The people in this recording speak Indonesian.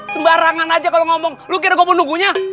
sembarangan aja kalau ngomong lu kira gua penunggunya